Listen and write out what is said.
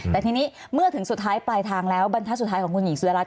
แต่ทีนี้เมื่อถึงสุดท้ายปลายทางแล้วบรรทัศน์สุดท้ายของคุณหญิงสุรัต